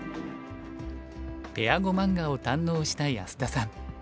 ペア碁漫画を堪能した安田さん。